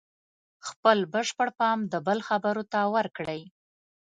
خپل بشپړ پام د بل خبرو ته ورکړئ.